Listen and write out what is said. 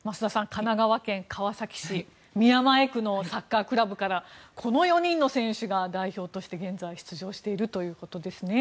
神奈川県川崎市宮前区のサッカークラブからこの４人の選手が日本代表として出場しているということですね。